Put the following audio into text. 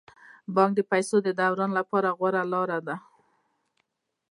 بانک د پيسو د دوران لپاره غوره لاره ده.